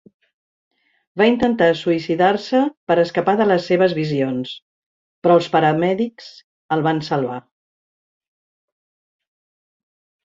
Va intentar suïcidar-se per escapar de les seves visions, però els paramèdics el van salvat.